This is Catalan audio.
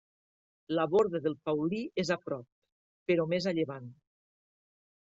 La Borda del Paulí és a prop, però més a llevant.